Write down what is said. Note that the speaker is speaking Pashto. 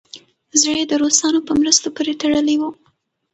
زړه یې د روسانو په مرستو پورې تړلی وو.